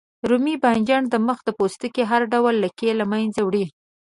رومي بانجان د مخ د پوستکي هر ډول لکې له منځه وړي.